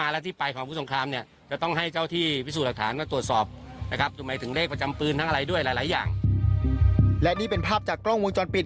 และนี่เป็นภาพจากกล้องวงจรปิด